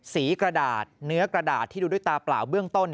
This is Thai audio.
กระดาษเนื้อกระดาษที่ดูด้วยตาเปล่าเบื้องต้น